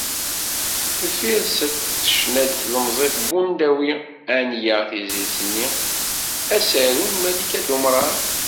Deffir-sent, tecna-d tlemẓit Bundawi Anya tizlit-nni “Asaru” n Malika Dumran.